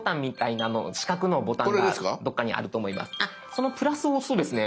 そのプラスを押すとですね